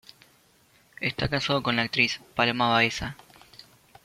Está casado con la actriz Paloma Baeza.